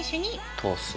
通す。